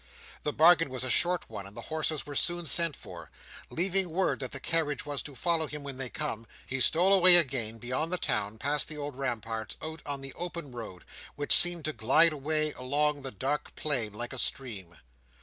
The bargain was a short one; and the horses were soon sent for. Leaving word that the carriage was to follow him when they came, he stole away again, beyond the town, past the old ramparts, out on the open road, which seemed to glide away along the dark plain, like a stream.